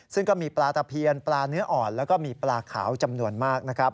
ซึ่งก็มีปลาตะเพียนปลาเนื้ออ่อนแล้วก็มีปลาขาวจำนวนมากนะครับ